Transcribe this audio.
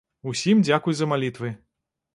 Усім дзякуй за малітвы!